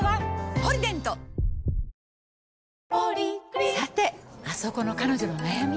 「ポリデント」「ポリグリップ」さてあそこの彼女の悩み。